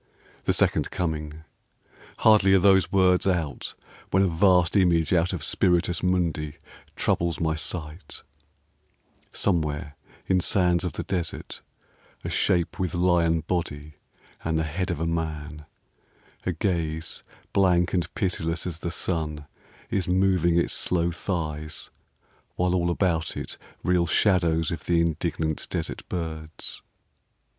The Second Coming! Hardly are those words out When a vast image out of Spiritus Mundi Troubles my sight: somewhere in sands of the desert A shape with lion body and the head of a man, A gaze blank and pitiless as the sun, Is moving its slow thighs, while all about it Reel shadows of the indignant desert birds.